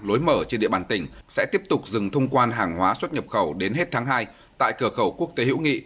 lối mở trên địa bàn tỉnh sẽ tiếp tục dừng thông quan hàng hóa xuất nhập khẩu đến hết tháng hai tại cửa khẩu quốc tế hữu nghị